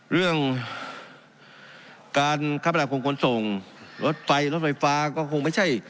เรื่องการคับประนามของขนส่งรถไฟรถไฟฟ้าก็คงไม่ใช่